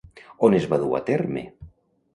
On es va dur a terme?